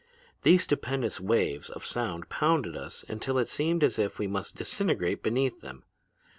These stupendous waves of sound pounded us until it seemed as if we must disintegrate beneath them.